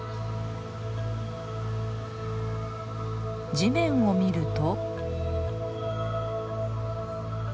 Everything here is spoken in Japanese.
地面を見ると。